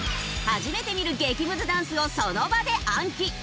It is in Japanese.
初めて見る激むずダンスをその場で暗記。